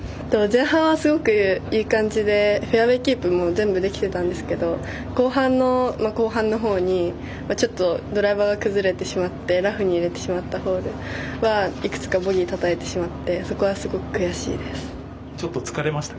前半はすごくいい感じでフェアウエーキープも全部できてたんですけど後半の方にちょっとドライバーが崩れてしまってラフに入れてしまったホールはいくつかボギーをたたいてそこはすごく悔しいです。